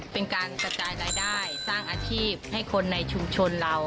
เป็นการกระจายรายได้สร้างอาชีพให้คนในชุมชนเรา